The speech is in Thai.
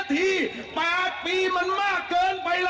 สบายดีนะ